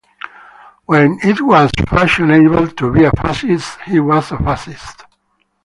When it was fashionable to be a fascist, he was a fascist.